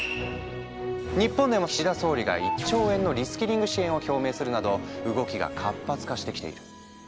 日本でも岸田総理が１兆円のリスキリング支援を表明するなど動きが活発化してきている。